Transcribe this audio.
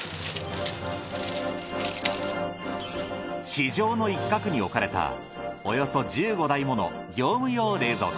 市場の一角に置かれたおよそ１５台もの業務用冷蔵庫。